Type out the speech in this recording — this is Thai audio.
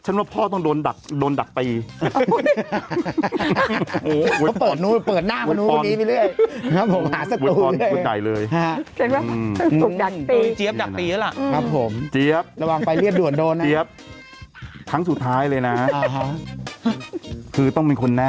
น้องน้ำของเราเออ